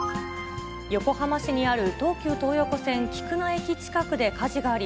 横浜市にある東急東横線きくな駅近くで火事があり、